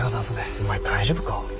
お前大丈夫か？